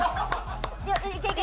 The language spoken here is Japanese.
いけいけ！